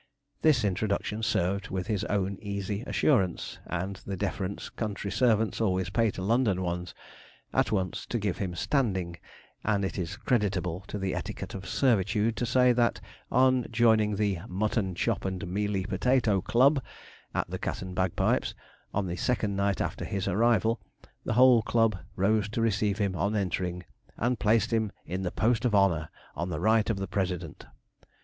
This introduction served with his own easy assurance, and the deference country servants always pay to London ones, at once to give him standing, and it is creditable to the etiquette of servitude to say, that on joining the 'Mutton Chop and Mealy Potato Club,' at the Cat and Bagpipes, on the second night after his arrival, the whole club rose to receive him on entering, and placed him in the post of honour, on the right of the president.